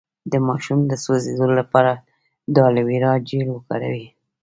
د ماشوم د سوځیدو لپاره د الوویرا جیل وکاروئ